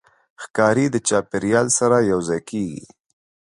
ښکاري د چاپېریال سره یوځای کېږي.